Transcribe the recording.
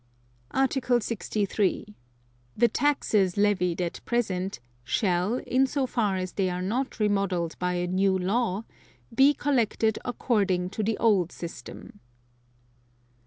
Article 63. The taxes levied at present shall, in so far as they are not remodelled by a new law, be collected according to the old system.